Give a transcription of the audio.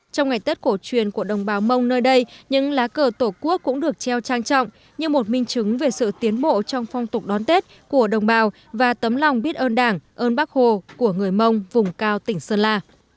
trong ngày tết cổ truyền của đồng bào mông nơi đây những lá cờ tổ quốc cũng được treo trang trọng như một minh chứng về sự tiến bộ trong phong tục đón tết của đồng bào và tấm lòng biết ơn đảng ơn bác hồ của người mông vùng cao tỉnh sơn la